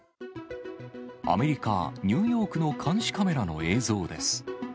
アメリカ・ニューヨークの監視カメラの映像です。